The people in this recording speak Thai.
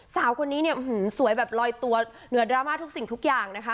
สาวคนนี้เนี่ยสวยแบบลอยตัวเหนือดราม่าทุกสิ่งทุกอย่างนะคะ